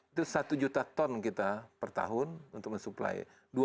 itu satu juta ton kita per tahun untuk mensuplai